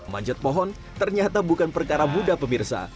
manjat pohon ternyata bukan perkara mudah pemirsa